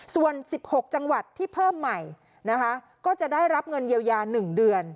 ส่วน๑๖จังหวัดที่เพิ่มใหม่นะคะก็จะได้รับเงินเยียวยา๑เดือน